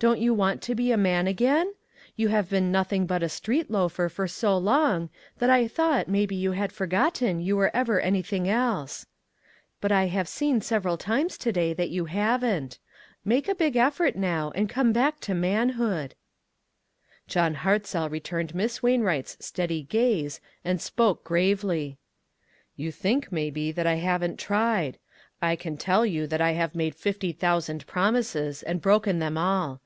Don't your want to be a man again ? You have been nothing but a street loafer for so long, that I thought maybe you had for gotten you were ever anything else ; but I. have seen several times to day that you haven't. Make a big effort now, and come back to manhood." "LABORERS TOGETHER. 22/ John Hartzell returned Miss Wainwright's steady gaze and spoke gravely: " You think, maybe, that I haven't tried. I can tell you that I have made fifty thou sand promises, and broken them all.